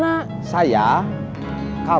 saya kamu perutnya dan aku juga ikut keluar